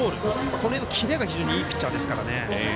この辺のキレが非常にいいピッチャーですから。